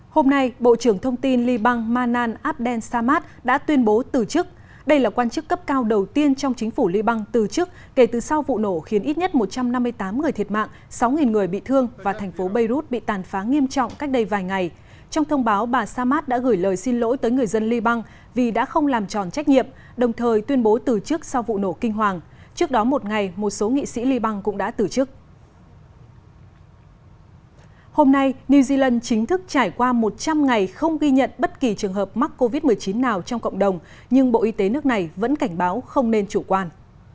hôm nay new zealand chính thức trải qua một trăm linh ngày không ghi nhận bất kỳ trường hợp mắc covid một mươi chín nào trong cộng đồng nhưng bộ y tế nước này vẫn cảnh báo không nên chủ quan